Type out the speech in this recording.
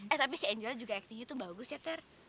eh tapi sih angel juga actingnya tuh bagus ya ter